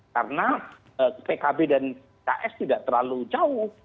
karena pkb dan ks tidak terlalu jauh